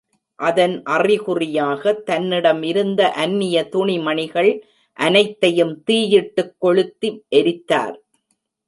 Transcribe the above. அதன் அறிகுறியாக தன்னிடம் இருந்த அன்னிய துணிமணிகள் அனைத்தையும் தீயிட்டுக் கொளுத்தி எரித்தார்.